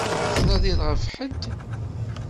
Tettnadiḍ ɣef ḥedd?